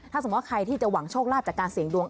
ถ้าสมมุติว่าใครที่จะหวังโชคลาภจากการเสี่ยงดวง